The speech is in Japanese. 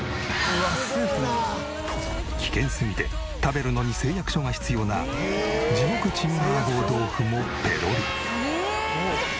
危険すぎて食べるのに誓約書が必要な地獄陳麻婆豆腐もペロリ。